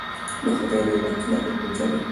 د خدای نعمتونه وپېژنئ.